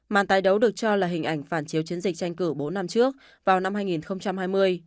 màn tái đấu được cho là hình ảnh phản chiếu chiến dịch tranh cử bốn năm trước vào năm hai nghìn hai mươi